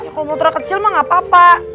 kalau motornya kecil mah gapapa